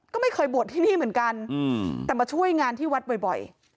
ก็ไม่เคยบวชที่นี่เหมือนกันแต่มาช่วยงานที่วัดบ่อย